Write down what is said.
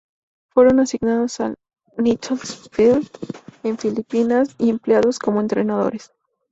Fueron asignados al Nichols Field en Filipinas y empleados como entrenadores.